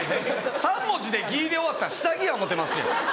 ３文字で「ぎ」で終わったら下着や思うてますやん。